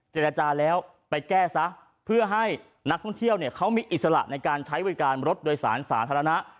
เจรจาแล้วไปแก้ซะเพื่อให้นักท่องเที่ยวเนี่ยเขามีอิสระในการใช้บริการรถโดยสารสาธารณะ